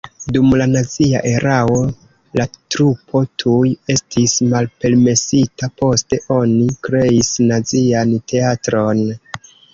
Dum la nazia erao la trupo tuj estis malpermesita, poste oni kreis nazian teatron.